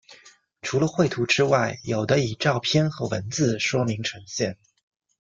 除了绘图之外有的以照片和文字说明呈现。